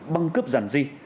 băng cướp giàn di